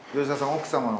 奥様の。